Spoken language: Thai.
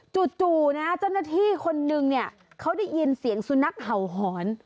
จู่นะเจ้าหน้าที่คนนึงเนี่ยเขาได้ยินเสียงสุนัขเห่าหอน